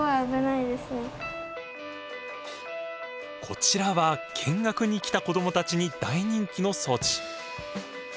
こちらは見学に来た子どもたちに大人気の装置。